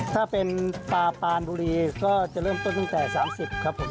ถ้าเป็นปลาปานบุรีก็จะเริ่มต้นตั้งแต่๓๐ครับผม